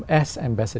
như quý vị